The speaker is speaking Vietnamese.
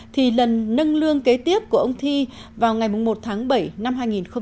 thì lần nâng lương kế tiếp của ông thi vào ngày một tháng bảy năm hai nghìn hai mươi